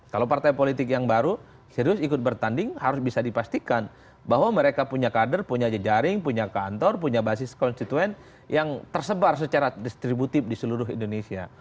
kalau partai politik yang baru serius ikut bertanding harus bisa dipastikan bahwa mereka punya kader punya jejaring punya kantor punya basis konstituen yang tersebar secara distributif di seluruh indonesia